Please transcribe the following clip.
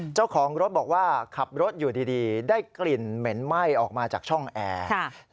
เจ้าของรถบอกว่าขับรถอยู่ดีได้กลิ่นเหม็นไหม้ออกมาจากช่องแอร์